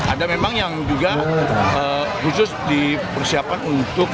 ada memang yang juga khusus dipersiapkan untuk